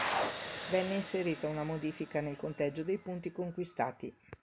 Venne inserita una modifica nel conteggio dei punti conquistati.